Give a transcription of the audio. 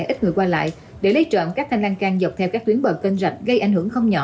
ít người qua lại để lấy trộm các thanh lan can dọc theo các tuyến bờ kênh rạch gây ảnh hưởng không nhỏ